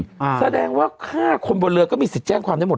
หนออออออแสดงว่าฆ่าคนบนเลือกก็มีสิทธิ์แจ้งความได้หมดเลย